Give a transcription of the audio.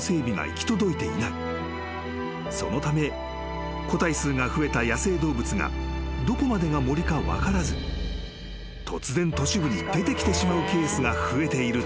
［そのため個体数が増えた野生動物がどこまでが森か分からず突然都市部に出てきてしまうケースが増えているというのだ］